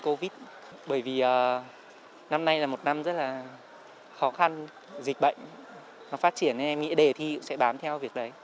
bởi vì năm nay là một năm rất là khó khăn dịch bệnh nó phát triển nên em nghĩ đề thi cũng sẽ bám theo việc đấy